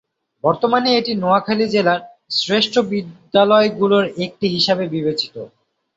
বর্তমানে এটি নোয়াখালী জেলার শ্রেষ্ঠ বিদ্যালয়গুলোর একটি হিসাবে বিবেচিত।